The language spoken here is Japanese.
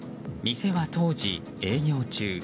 店は当時、営業中。